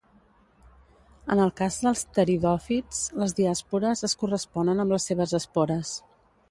En el cas dels pteridòfits les diàspores es corresponen amb les seves espores.